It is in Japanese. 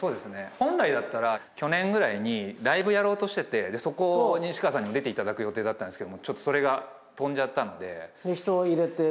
本来だったら去年くらいにライブやろうとしててそこを西川さんにも出ていただく予定だったんですけれどもちょっとそれがとんじゃったので。